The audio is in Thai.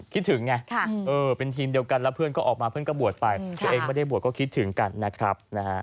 คิดถึงไงเป็นทีมเดียวกันแล้วเพื่อนก็ออกมาเพื่อนก็บวชไปตัวเองไม่ได้บวชก็คิดถึงกันนะครับ